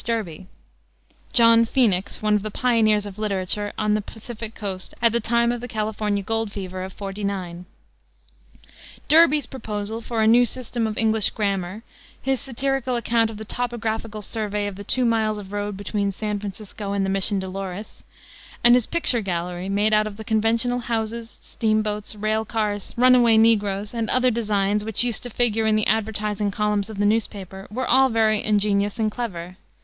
Derby, "John Phoenix," one of the pioneers of literature on the Pacific coast at the time of the California gold fever of '49. Derby's proposal for A New System of English Grammar, his satirical account of the topographical survey of the two miles of road between San Francisco and the Mission Dolores, and his picture gallery made out of the conventional houses, steam boats, rail cars, runaway negroes and other designs which used to figure in the advertising columns of the newspapers, were all very ingenious and clever.